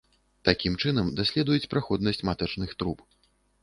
Такім чынам даследуюць праходнасць матачных труб.